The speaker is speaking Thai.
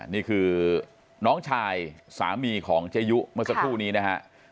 นี่คือน้องชายสามีของเจยุเมื่อสักครู่นี้นะฮะ